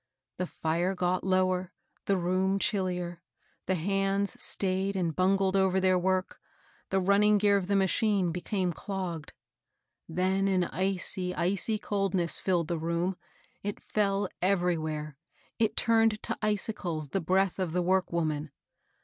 The fire got lower, the room chillier, the hands stayed and bungled over their work, the running gear of the machine became clogged. Then an icy, icy coldness filled the room, — it feW ^N^T3^^^sst^^ — n 162 MABEL BOSS. it turned to icicles thQ breath of tbe work woman.